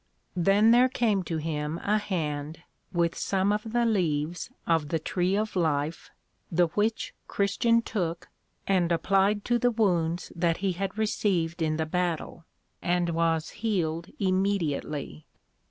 Then there came to him a hand, with some of the leaves of the Tree of Life, the which Christian took, and applied to the wounds that he had received in the Battle, and was healed immediately.